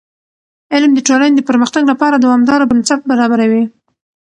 علم د ټولنې د پرمختګ لپاره دوامداره بنسټ برابروي.